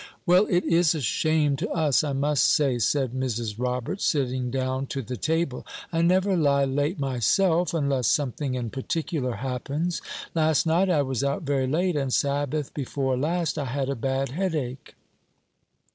"Well, it is a shame to us, I must say," said Mrs. Roberts, sitting down to the table. "I never lie late myself unless something in particular happens. Last night I was out very late, and Sabbath before last I had a bad headache."